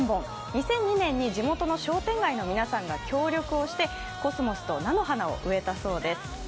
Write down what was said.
２００２年に地元の商店街の皆さんが協力をしてコスモスと菜の花を植田そうです。